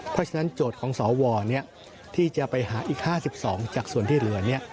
เพราะฉะนั้นโจทย์ของสวที่จะไปหาอีก๕๒จากส่วนที่เหลือ